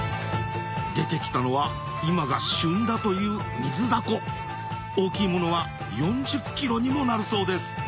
出てきたのは今が旬だという大きいものは４０ｋｇにもなるそうです